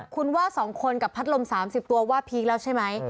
คุณว่า๒คนกับพัดลม๓๐ตัวว่าพีคแล้วใช่ไหม